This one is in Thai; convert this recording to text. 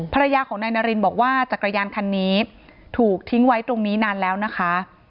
ภรรยาของนายนารินบอกว่าจักรยานคันนี้ถูกทิ้งไว้ตรงนี้นานแล้วนะคะ